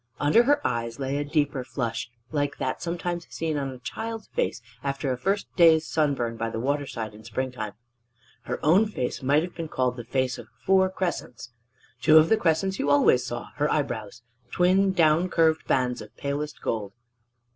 Under her eyes lay a deeper flush like that sometimes seen on a child's face after a first day's sunburn by the waterside in springtime. Her own face might have been called the face of four crescents. Two of the crescents you always saw her eyebrows, twin down curved bands of palest gold.